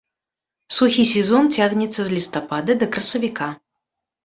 Сухі сезон цягнецца з лістапада да красавіка.